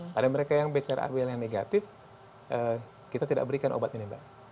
pada mereka yang bcr awl yang negatif kita tidak berikan obat ini mbak